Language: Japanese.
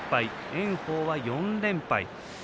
炎鵬は４連敗。